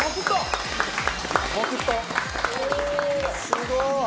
すごい。